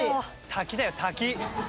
滝だよ滝。